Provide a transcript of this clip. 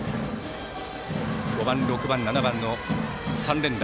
５番、６番、７番の３連打。